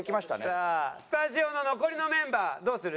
さあスタジオの残りのメンバーどうする？